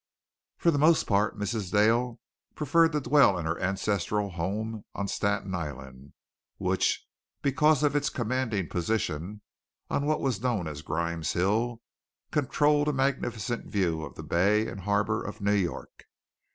For the most part Mrs. Dale preferred to dwell in her ancestral home on Staten Island, which, because of its commanding position on what was known as Grimes Hill, controlled a magnificent view of the bay and harbor of New York.